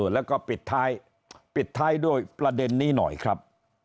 แล้วก็ปิดท้ายปิดท้ายด้วยประเด็นนี้หน่อยครับ